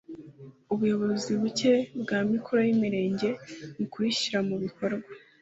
ubushobozi buke bw’amikoro y’imirenge mu kurishyira mu bikorwa